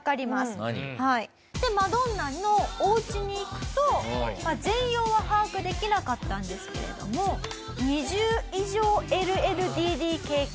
何？でマドンナのおうちに行くと全容は把握できなかったんですけれども２０以上ＬＬＤＤＫＫ。